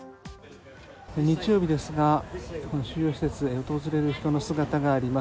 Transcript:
日曜日ですがこの収容施設訪れる人の姿があります。